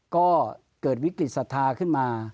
ก็เกิดวิกฤติศาสตร์ขึ้นมา